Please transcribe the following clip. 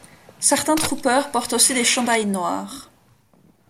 Certains Troopers portent aussi des chandails noirs.